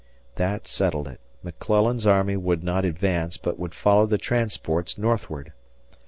That settled it McClellan's army would not advance, but would follow the transports northward.